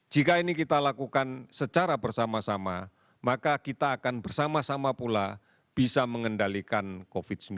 jika ini kita lakukan secara bersama sama maka kita akan bersama sama pula bisa mengendalikan covid sembilan belas